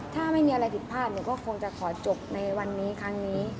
ถ้าไม่มีอะไรผิดพลาดหนูก็คงจะขอจบในวันนี้ครั้งนี้